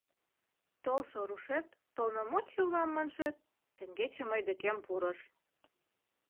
Толшо рушет, полномочий улам маншет, теҥгече мый декем пурыш.